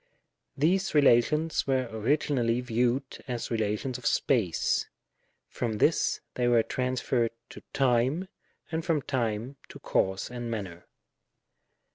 These relations were originally viewed as relations of space ; from this they were transfeiTed to time, and from time to cause and manner.